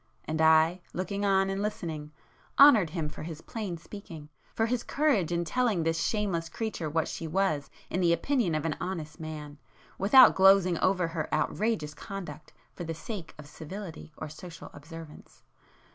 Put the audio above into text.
And I, looking on and listening, honoured him for his plain speaking, for his courage in telling this shameless creature what she was in the opinion of an honest man, without glozing over her outrageous conduct for the sake of civility or social observance.